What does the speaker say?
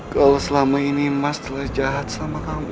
kalau selama ini mas telah jahat sama kamu